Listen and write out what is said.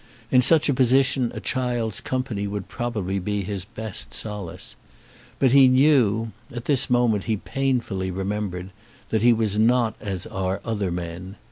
In such a position a child's company would probably be his best solace. But he knew, at this moment he painfully remembered, that he was not as are other men.